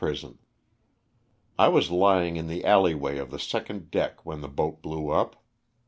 prison. I was lying in the alley way of the second deck when the boat blew up.